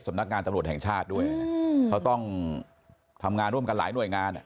สำนักงานตำรวจแห่งชาติด้วยเขาต้องทำงานร่วมกันหลายหน่วยงาน